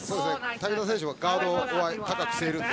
瀧澤選手がガードを高くしているので。